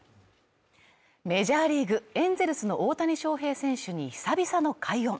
メジャーリーグ・エンゼルスの大谷翔平選手に久々の快音。